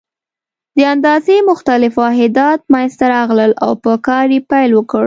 د اندازې مختلف واحدات منځته راغلل او په کار یې پیل وکړ.